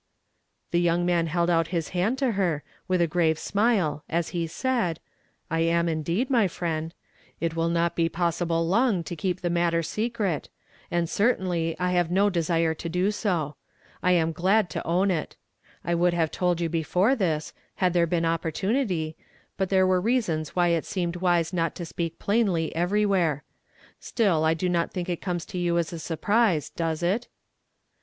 The young man held out his hand to lier, with a grave smile, as he said, '* I am indeed, my friend. "THEV OM2NKD THEIH MOUTH. n It will not be [wwHible long to keep the matter secret ; and certainly I have no desire to do so. 1 am glad to own it. I would have told you before this, had there been opportunity ; but tlu^re were reasons why it seemed wise not to speak phiinly everywhere. Still, I do not think it comes to you as a surprise, does it?"